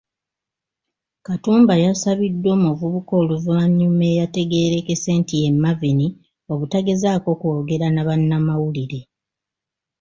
Katumba yasabiddwa omuvubuka oluvannyuma eyategeerekese nti ye Marvin, obutagezaako kwogera na bannamawulire.